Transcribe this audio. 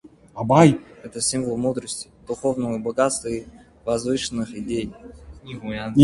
Абай - это символ мудрости, духовного богатства и возвышенных идей.